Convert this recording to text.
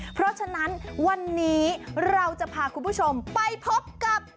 เพราะฉะนั้นวันนี้เราจะพาคุณผู้ชมไปพบกับ